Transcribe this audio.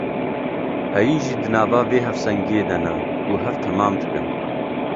Heyîn jî di nava vê hevsengiyê de ne û hev temam dikin.